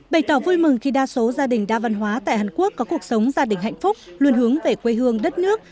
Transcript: bày tỏ vui mừng khi đa số gia đình đa văn hóa tại hàn quốc có cuộc sống gia đình hạnh phúc luôn hướng về quê hương đất nước